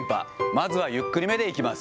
まずはゆっくりめでいきます。